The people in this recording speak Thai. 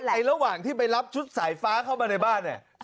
ระหว่างที่ไปรับชุดสายฟ้าเข้ามาในบ้านเนี่ย